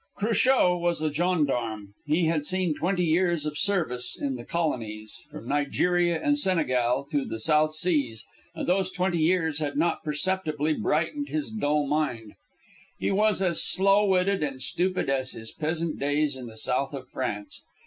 Cruchot was a gendarme. He had seen twenty years of service in the colonies, from Nigeria and Senegal to the South Seas, and those twenty years had not perceptibly brightened his dull mind. He was as slow witted and stupid as in his peasant days in the south of France.